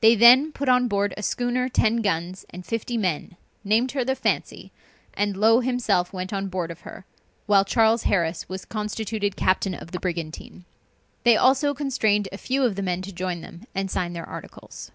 They then put on board a schooner ten guns and fifty men, named her the Fancy, and Low himself went on board of her, while Charles Harris was constituted captain of the brigantine. They also constrained a few of the men to join them, and sign their articles.